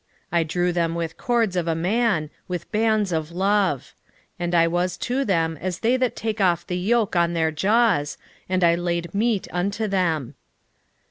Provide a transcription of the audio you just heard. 11:4 I drew them with cords of a man, with bands of love: and I was to them as they that take off the yoke on their jaws, and I laid meat unto them.